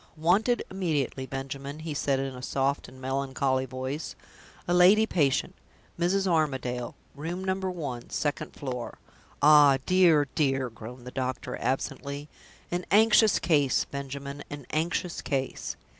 "Wanted immediately, Benjamin," he said in a soft and melancholy voice. "A lady patient Mrs. Armadale, Room No. 1, second floor. Ah, dear, dear!" groaned the doctor, absently; "an anxious case, Benjamin an anxious case."